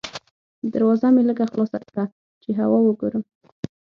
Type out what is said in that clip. دروازه مې لږه خلاصه کړه چې هوا وګورم.